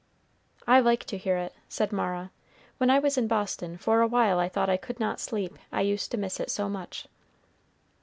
"I like to hear it," said Mara. "When I was in Boston, for a while I thought I could not sleep, I used to miss it so much."